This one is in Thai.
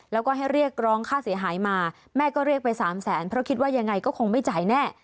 แล้วก็ให้เรียกร้องค่าเสียหายมาแม่ก็เรียกไปสามแสนเพราะคิดว่ายังไงก็คงไม่จ่ายแน่